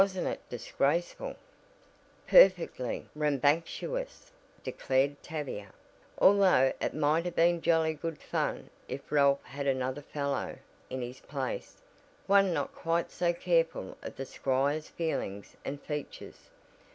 "Wasn't it disgraceful?" "Perfectly rambunctious!" declared Tavia, "although it might have been jolly good fun if Ralph had another fellow in his place one not quite so careful of the squire's feelings and features.